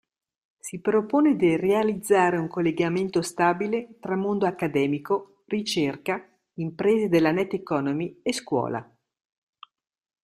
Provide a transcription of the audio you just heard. Si propone di realizzare un collegamento stabile tra mondo accademico, ricerca, imprese della net-economy e scuola.